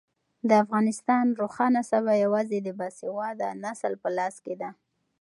د افغانستان روښانه سبا یوازې د باسواده نسل په لاس کې ده.